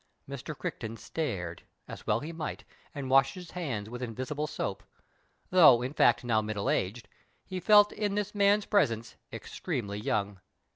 Mr. Crichton stared, as well he might, and washed his hands with invisible soap. Though, in fact, now middle aged, he felt in this man's presence extremely young.